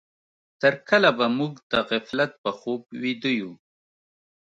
تر کله به موږ د غفلت په خوب ويده يو؟